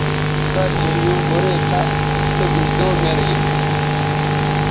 کش چہء ایوں گورئ کھا سے بھیزدو میر گے